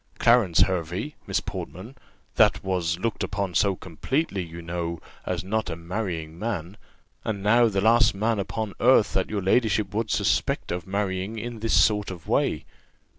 Clarence Hervey, Miss Portman, that was looked upon so completely, you know, as not a marrying man; and now the last man upon earth that your ladyship would suspect of marrying in this sort of way!"